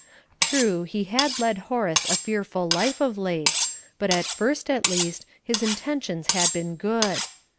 True, he had led Horace a fearful life of late, but at first, at least, his intentions had been good.